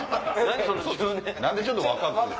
何でちょっと若く？